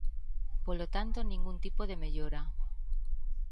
Polo tanto, ningún tipo de mellora.